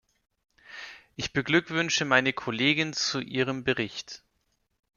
Ich beglückwünsche meine Kollegin zu ihrem Bericht.